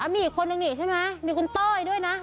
มีอีกคนนึงนี่ใช่ไหมมีคุณเต้ยด้วยนะ